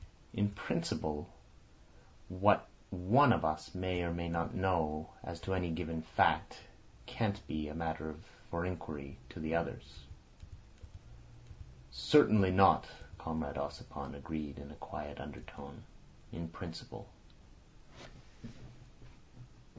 "In principle what one of us may or may not know as to any given fact can't be a matter for inquiry to the others." "Certainly not," Comrade Ossipon agreed in a quiet undertone. "In principle."